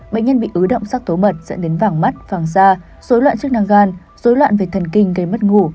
bệnh nhân bị ứ động sắc tố mật dẫn đến vàng mắt vàng da dối loạn chức năng gan dối loạn về thần kinh gây mất ngủ